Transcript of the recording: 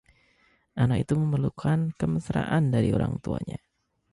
anak itu memerlukan kemesraan dari orang tuanya